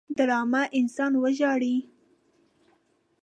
ډرامه انسان وژاړي